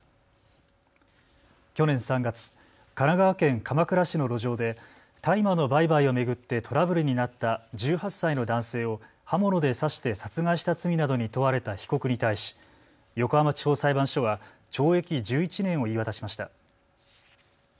去年３月、神奈川県鎌倉市の路上で大麻の売買を巡ってトラブルになった１８歳の男性を刃物で刺して殺害した罪などに問われた被告に対し横浜地方裁判所は懲役１１年を言い渡しました。